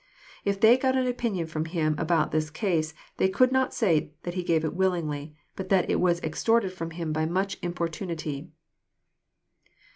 If they got an opinion from Him about \ this case, they could not say that He gave it willingly, but that it was extorted from Him by much importunity.